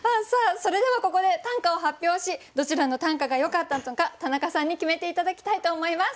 それではここで短歌を発表しどちらの短歌がよかったのか田中さんに決めて頂きたいと思います。